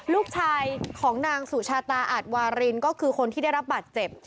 ลูกชายของนางสุชาตาอาจวารินก็คือคนที่ได้รับบาดเจ็บ